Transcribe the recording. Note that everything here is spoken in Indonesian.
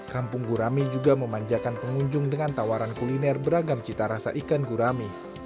kampung gurami juga memanjakan pengunjung dengan tawaran kuliner beragam cita rasa ikan gurame